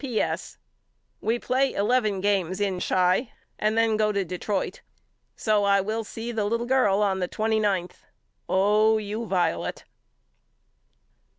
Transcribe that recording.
P. S. We play eleven games in Chi and then go to Detroit. So I will see the little girl on the twenty ninth. Oh you Violet.